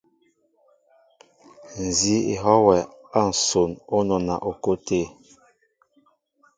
Nzi éhoo wɛ a nson o nɔna o ko té.